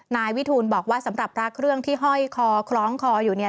นายวิทูลบอกว่าสำหรับพระเครื่องที่ห้อยคอคล้องคออยู่เนี่ย